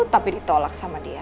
tapi ditolak sama dia